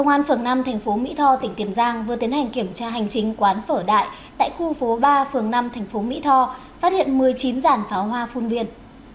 công an phường nam tp mỹ tho tỉnh tiềm giang vừa tiến hành kiểm tra hành trình quán phở đại tại khu phố ba phường năm tp mỹ tho phát hiện một mươi chín giản pháo hoa phun viên